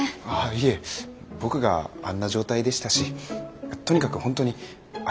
いえ僕があんな状態でしたしとにかく本当にありがとうございました。